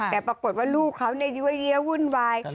แต่ปรากฏว่าลูกเขาเนี่ยเยี้ยวุ่นวาย